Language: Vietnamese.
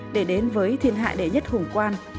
để đến với thiên hại đệ nhất hùng quan